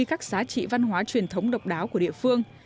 các giá trị văn hóa truyền thống độc đáo của địa phương